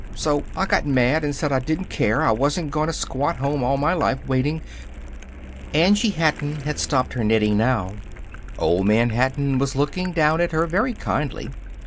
So I got mad and said I didn't care, I wasn't going to squat home all my life, waiting " Angie Hatton had stopped knitting now. Old Man Hatton was looking down at her very kindly.